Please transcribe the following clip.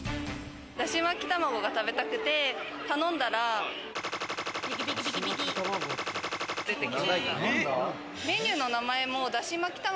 出汁巻き卵が食べたくて、頼んだら出てきました。